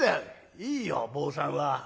「いいよ坊さんは。